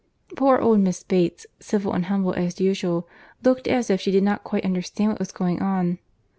Poor old Mrs. Bates, civil and humble as usual, looked as if she did not quite understand what was going on.